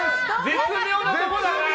絶妙なところだな。